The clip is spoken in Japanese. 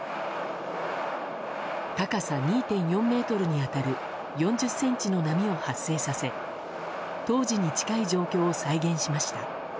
高さ２．４ｍに当たる４０ｃｍの波を発生させ当時に近い状況を再現しました。